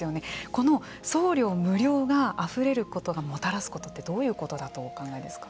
この送料無料があふれることがもたらすことってどういうことだとお考えですか。